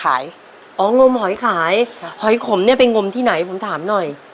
อ๋องมหอยขายครับหอยขมเนี่ยไปงมที่ไหนผมถามหน่อย